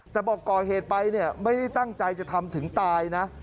แต่บอกก่อเหตุไปเนี่ยไม่ได้ตั้งใจจะทำถึงตายนะ